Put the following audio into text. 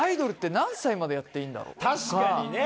確かにね！